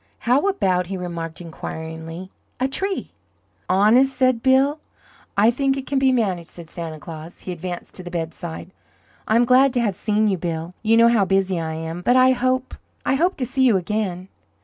"How about," he remarked, inquiringly, "a tree?" "Honest?" said Bill. "I think it can be managed," said Santa Claus. He advanced to the bedside. "I'm glad to have seen you, Bill. You know how busy I am, but I hope I hope to see you again."